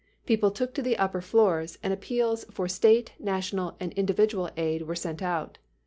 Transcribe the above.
People took to the upper floors, and appeals for state, national and individual aid were sent out.